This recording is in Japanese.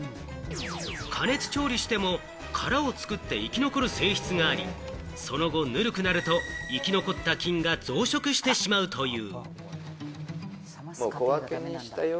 加熱調理しても殻を作って生き残る性質があり、その後、ぬるくなると生き残った菌が増殖してしまうという。